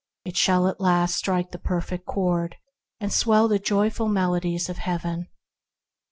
It shall at last strike the Perfect Chord, and swell the joyful melodies of Heaven.